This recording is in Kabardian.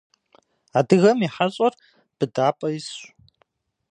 Адыгэм и хьэщӏэр быдапӏэ исщ.